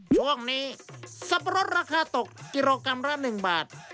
ช่วงนี้สับปะรดราคาตกกิโลกรัมละ๑บาท